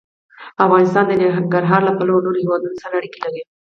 افغانستان د ننګرهار له پلوه له نورو هېوادونو سره اړیکې لري.